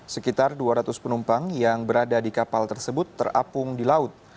sekitar dua ratus penumpang yang berada di kapal tersebut terapung di laut